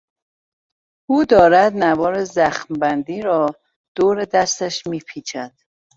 او دارد نوار زخمبندی را دور دستش میپیچد.